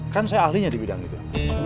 kan saya ahlinya di bidang itu